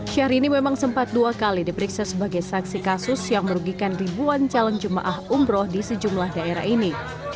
syahrini memang sempat dua kali diperiksa sebagai saksi kasus yang merugikan ribuan calon jemaah umroh di sejumlah daerah ini